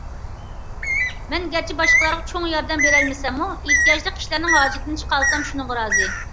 مەن گەرچە باشقىلارغا چوڭ ياردەم بېرەلمىسەممۇ، ئېھتىياجلىق كىشىلەرنىڭ ھاجىتىدىن چىقالىسام شۇنىڭغا رازى.